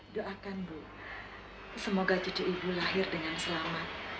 doakan bu semoga cucu ibu lahir dengan selamat